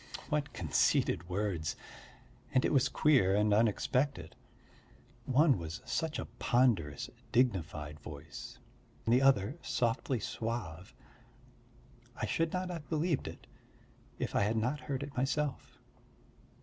What conceited words! And it was queer and unexpected. One was such a ponderous, dignified voice, the other softly suave; I should not have believed it if I had not heard it myself.